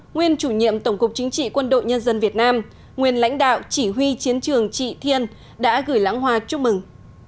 nguyên chủ nhiệm tổng cục chính trị quân đội nhân dân việt nam nguyên lãnh đạo chỉ huy chiến trường trị thiên đã gửi lãng hoa chúc mừng